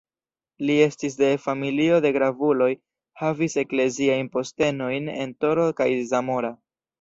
Li estis de familio de gravuloj, havis ekleziajn postenojn en Toro kaj Zamora.